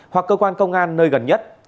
hoặc cơ quan công an nơi gần nhất